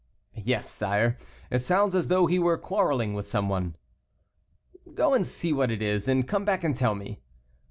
"Yes, sire, it sounds as though he were quarreling with some one." "Go and see what it is, and come back and tell me."